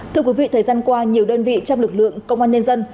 thưa quý vị thời gian qua nhiều đơn vị trong lực lượng công an nhân dân